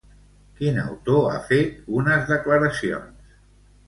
Quin autor ha fet unes declaracions?